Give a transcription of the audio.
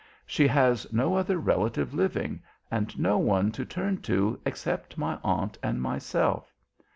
She has no other relative living, and no one to turn to except my aunt and myself.